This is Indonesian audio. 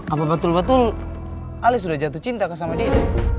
apa betul betul ali sudah jatuh cinta sama dia